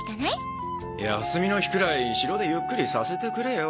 休みの日くらい城でゆっくりさせてくれよ。